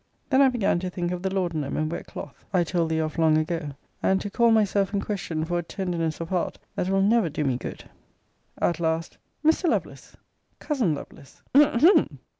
Then I began to think of the laudanum, and wet cloth, I told thee of long ago; and to call myself in question for a tenderness of heart that will never do me good. At last, Mr. Lovelace! Cousin Lovelace!